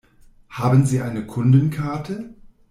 Haben Sie eine Kundenkarte?